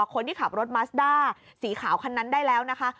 คนที่ขับรถมัสด้าสีขาวคันนั้นได้แล้วนะคะ